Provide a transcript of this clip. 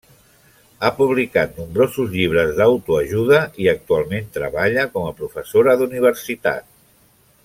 Ha publicat nombrosos llibres d'autoajuda i actualment treballa com a professora d'universitat.